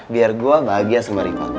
biar saya bahagia dengan riva